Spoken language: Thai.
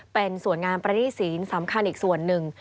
เป็นส่วนงานประณีศีลสำคัญอีกส่วนหนึ่ง